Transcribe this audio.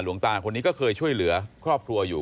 ตาคนนี้ก็เคยช่วยเหลือครอบครัวอยู่